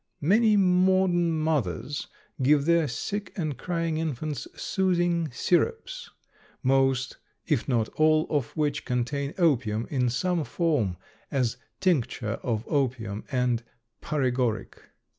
Many modern mothers give their sick and crying infants "soothing syrups," most, if not all, of which contain opium in some form, as tincture of opium and paregoric.